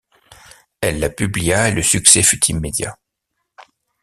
Elle la publia et le succès fut immédiat.